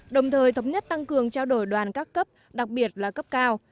đồng thời thống nhất tăng cường trao đổi đoàn các cấp đặc biệt là cấp cao